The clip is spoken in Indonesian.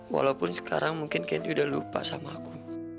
walaupun sekarang mungkin kenny udah lupa sama aku